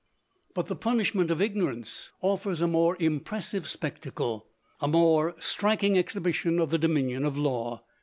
But the punishment of ignorance offers a more impressive spectacle a more striking exhibition of the dominion of law.